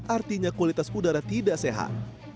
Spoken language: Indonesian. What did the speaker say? artinya kualitas udara tidak sehat